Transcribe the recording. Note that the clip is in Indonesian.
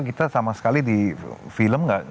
kita sama sekali di film gak